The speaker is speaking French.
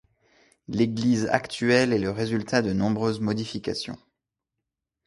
L'église actuelle est le résultat de nombreuses modifications.